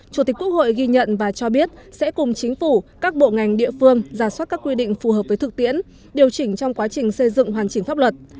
chủ tịch quốc hội ghi nhận và cho biết sẽ cùng chính phủ các bộ ngành địa phương giả soát các quy định phù hợp với thực tiễn điều chỉnh trong quá trình xây dựng hoàn chỉnh pháp luật